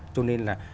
cho nên là